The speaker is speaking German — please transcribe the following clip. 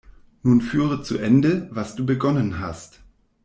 Nun führe zu Ende, was du begonnen hast.